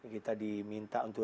kita diminta untuk